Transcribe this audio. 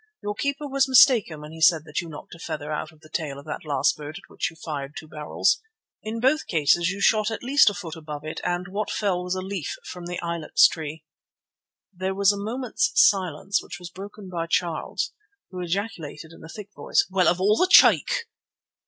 Your keeper was mistaken when he said that you knocked a feather out of the tail of that last bird at which you fired two barrels. In both cases you shot at least a foot above it, and what fell was a leaf from the ilex tree." There was a moment's silence, which was broken by Charles, who ejaculated in a thick voice: "Well, of all the cheek!"